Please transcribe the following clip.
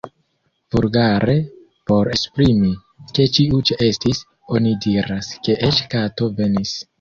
Vulgare, por esprimi, ke ĉiu ĉeestis, oni diras, ke eĉ kato venis.